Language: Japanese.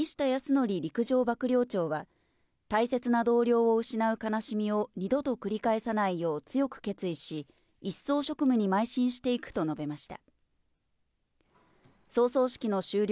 また森下泰臣陸上幕僚長は大切な同僚を失う悲しみを二度と繰り返さないよう強く決意し、一層職務にまい進していくと述べました。